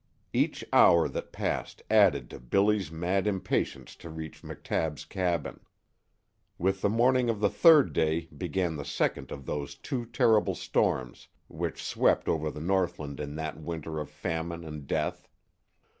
Each hour that passed added to Billy's mad impatience to reach McTabb's cabin. With the morning of the third day began the second of those two terrible storms which swept over the northland in that winter of famine and death.